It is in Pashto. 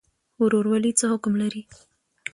ورورولي څه حکم لري؟